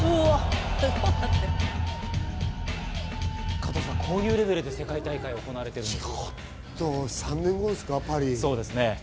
加藤さん、こういうレベルで世界大会は行われてるんです。